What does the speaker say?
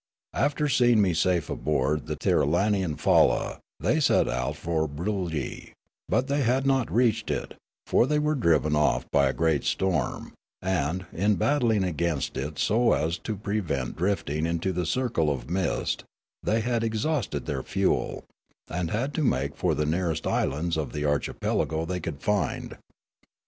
After seeing me safe aboard the Tir ralarian falla, they set out for Broolyi ; but they had not reached it, for they were driven off by a great storm, and, in battling against it so as to prevent drift ing into the circle of mist, they had exhausted their fuel, and had to make for the nearest islands of the archipelago the}^ could find.